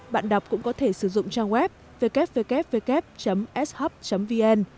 bạn đọc cũng có thể sử dụng trang web ww shop vn